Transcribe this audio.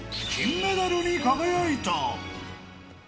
金メダルに輝いた。